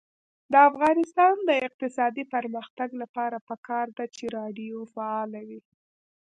د افغانستان د اقتصادي پرمختګ لپاره پکار ده چې راډیو فعاله وي.